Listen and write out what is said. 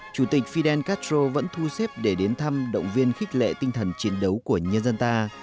chủ tịch fidel castro vẫn thu xếp để đến thăm động viên khích lệ tinh thần chiến đấu của nhân dân ta